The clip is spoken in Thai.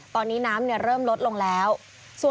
ตอนนี้น้ำเริ่มลดลงแล้ว